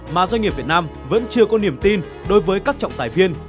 mà doanh nghiệp việt nam vẫn chưa có niềm tin đối với các trọng tài viên